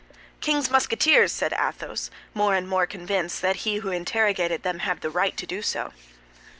"King's Musketeers," said Athos, more and more convinced that he who interrogated them had the right to do so.